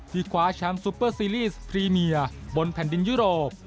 คว้าแชมป์ซุปเปอร์ซีรีสรีเมียบนแผ่นดินยุโรป